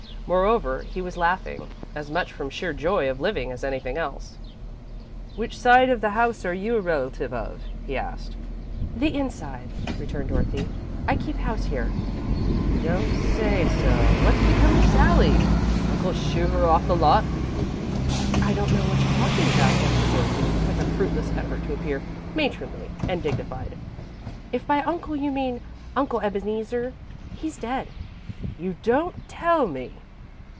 Moreover, he was laughing, as much from sheer joy of living as anything else. "Which side of the house are you a relative of?" he asked. "The inside," returned Dorothy. "I keep house here." "You don't say so! What's become of Sally? Uncle shoo her off the lot?" "I don't know what you're talking about," answered Dorothy, with a fruitless effort to appear matronly and dignified. "If by 'uncle' you mean Uncle Ebeneezer, he's dead." "You don't tell me!